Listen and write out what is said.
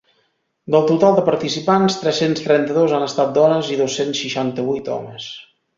Del total de participants, tres-cents trenta-dos han estat dones i dos-cents seixanta-vuit homes.